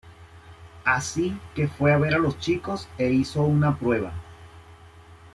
Así que fue a ver a los chicos e hizo una prueba.